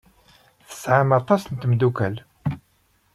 Tesɛam aṭas n tmeddukal.